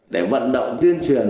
để vận động tuyên truyền